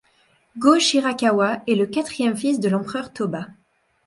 Go-Shirakawa est le quatrième fils de l'empereur Toba.